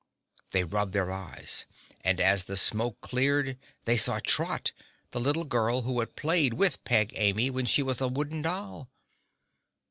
They rubbed their eyes and as the smoke cleared they saw Trot, the little girl who had played with Peg Amy when she was a Wooden Doll.